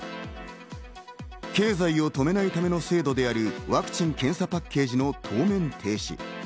経済を止めないための制度であるワクチン・検査パッケージの当面停止。